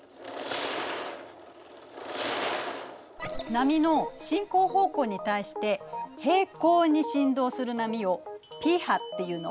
波の進行方向に対して平行に震動する波を「Ｐ波」っていうの。